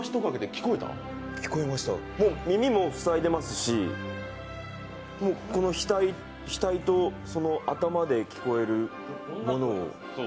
聞こえました耳も塞いでますし額と頭で聞こえるものを。